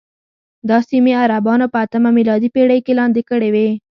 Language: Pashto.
دا سیمې عربانو په اتمه میلادي پېړۍ کې لاندې کړې وې.